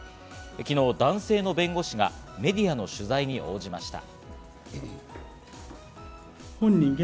昨日、男性の弁護士がメディアの取材に応じました。